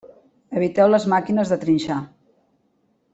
Eviteu les màquines de trinxar.